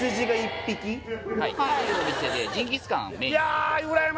はいはいというお店でジンギスカンメイン？